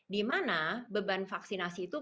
dimana beban vaksinasi itu